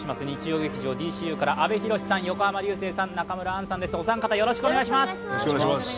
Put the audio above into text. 日曜劇場「ＤＣＵ」か阿部寛さん、横浜流星さん、中村アンさんです、お三方、よろしくお願いいたします。